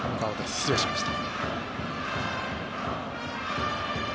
失礼しました。